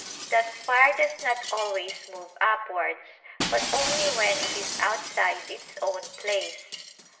Thus fire does not always move upwards, but only when it is outside its own place.